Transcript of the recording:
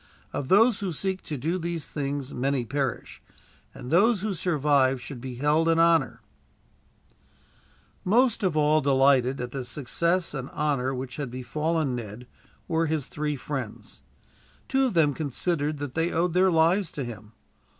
Of those who seek to do these things many perish, and those who survive should be held in honor" Most of all delighted, at the success and honor which had befallen Ned, were his three friends. Two of them considered that they owed their lives to him.